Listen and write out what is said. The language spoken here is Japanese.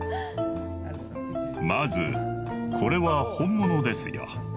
まずこれは本物ですよ。